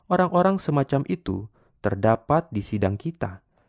orang orang semacam itu terdapat di sidang kita